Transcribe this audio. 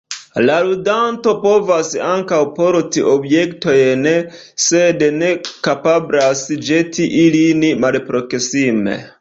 La ludanto povas ankaŭ porti objektojn, sed ne kapablas ĵeti ilin malproksime.